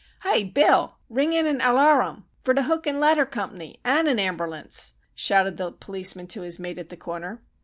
"Hi, Bill! ring in an al lar rum,—fer the hook an' ladder comp'ny, and an amberlance!" shouted the policeman to his mate at the corner.